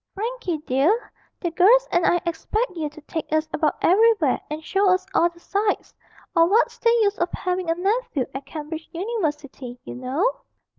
Frankie dear, the girls and I expect you to take us about everywhere and show us all the sights; or what's the use of having a nephew at Cambridge University, you know.'